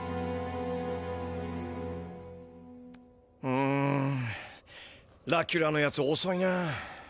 うんラキュラのやつおそいな。